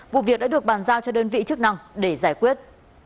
vụ việc đã được bàn giao cho đơn vị chức năng để giải quyết